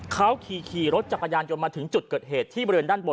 เขาขี่รถจักรยานยนต์มาถึงจุดเกิดเหตุที่บริเวณด้านบน